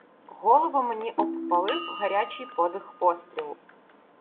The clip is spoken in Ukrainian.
Голову мені обпалив гарячий подих пострілу.